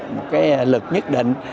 một cái lực nhất định